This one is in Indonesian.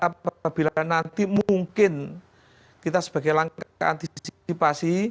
apabila nanti mungkin kita sebagai langkah antisipasi